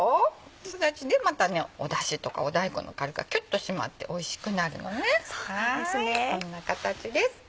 すだちでまただしとか大根の香りがキュっと締まっておいしくなるのねこんな形です。